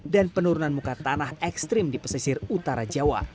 dan penurunan muka tanah ekstrim di pesisir utara jawa